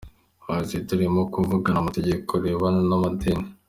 Yagize ati “Turimo kuvugura itegeko rirebana n’ amadini.